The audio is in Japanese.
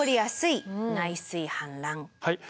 はい。